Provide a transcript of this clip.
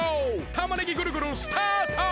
たまねぎぐるぐるスタート！